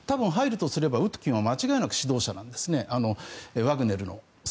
多分、入るとすればウトキンは間違いなく指導者なんですねワグネルの。